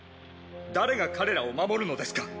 誰が彼らを守るのですか？